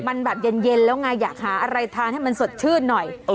มันแบบเย็นแล้วไงอยากหาอะไรทานให้มันสดชื่นหน่อย